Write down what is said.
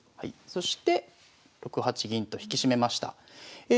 そして６八銀と引き締めました。